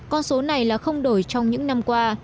con số này là không đổi trong những năm qua